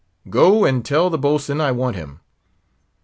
"Go and tell the boatswain I want him."